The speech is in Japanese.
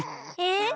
えっ？